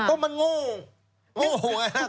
เพราะมันโง่โง่หัว